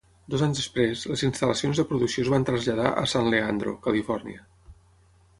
Dos anys després, les instal·lacions de producció es van traslladar a San Leandro, Califòrnia.